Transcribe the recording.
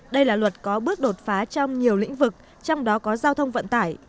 đây là luật có bước đột phá trong nhiều lĩnh vực trong đó có giao thông vận tải